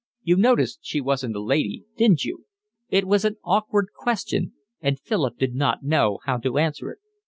You noticed she wasn't a lady, didn't you?" It was an awkward question, and Philip did not know how to answer it.